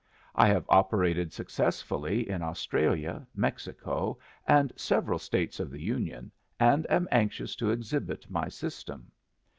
I have operated successfully in Australia, Mexico, and several States of the Union, and am anxious to exhibit my system.